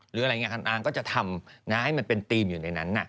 หรืออะไรอย่างนี้คุณอางก็จะทำให้มันเป็นธีมอยู่ในนั้น